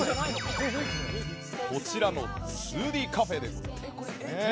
こちら２Ｄカフェです。